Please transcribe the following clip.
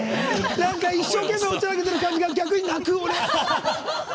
なんか一生懸命おちゃらけてる感じが逆に泣く、俺。